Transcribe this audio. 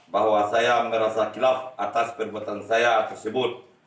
bahwa saya merasa kilaf atas perbuatan saya tersebut